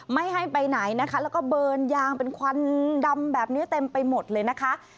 ไม่ให้ไปไหนนะคะแล้วก็เบิร์นยางเป็นควันดำแบบนี้เต็มไปหมดเลยนะคะ